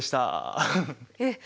えっ！